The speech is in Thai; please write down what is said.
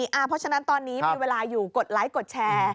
เพราะฉะนั้นตอนนี้มีเวลาอยู่กดไลค์กดแชร์